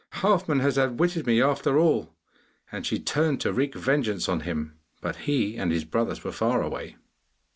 'Halfman has outwitted me after all!' And she turned to wreak vengeance on him, but he and his brothers were far away.